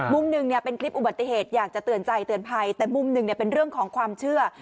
มุมหนึ่งเนี่ยเป็นคลิปอุบัติเหตุอยากจะเตือนใจเตือนภัยแต่มุมหนึ่งเนี่ยเป็นเรื่องของความเชื่อ